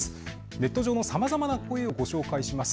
ネット上のさまざまな声をご紹介します。